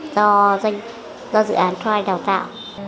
do dự án thoai đào tạo